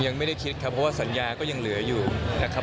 ยังไม่ได้คิดครับเพราะว่าสัญญาก็ยังเหลืออยู่นะครับ